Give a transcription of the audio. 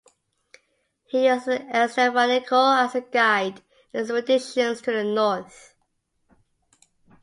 He used Estevanico as a guide in expeditions to the North.